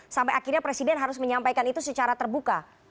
sampai akhirnya presiden harus menyampaikan itu secara terbuka